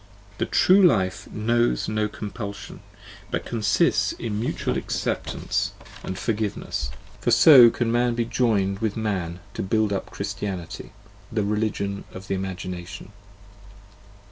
The true life knows no compulsion, but consists in mutual acceptance and xv forgiveness: for so can man be joined with man to build up Christianity, the religion of the Imagination.